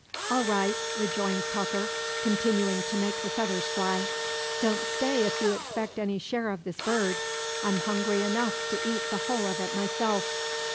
"All right," rejoins Tucker, continuing to make the feathers fly. "Don't stay if you expect any share of this bird. I'm hungry enough to eat the whole of it myself."